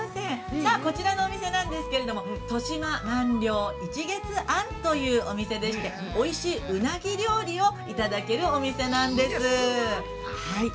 さあ、こちらのお店なんですけれども豊島鰻寮一月庵というお店でして、おいしいうなぎ料理をいただけるお店なんです。